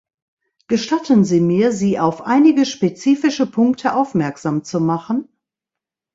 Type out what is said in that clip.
Gestatten Sie mir, Sie auf einige spezifische Punkte aufmerksam zu machen.